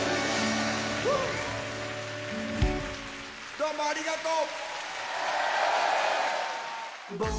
どうもありがとう！